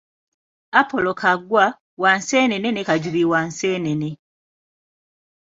Apolo Kaggwa, wa Nseenene ne Kajubi wa Nseenene.